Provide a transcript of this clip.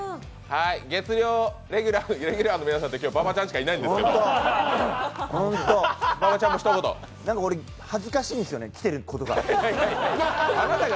月曜レギュラーの皆さんって、今日、馬場ちゃんしかいないんですけど、なんか俺恥ずかしいんですよね来てることが。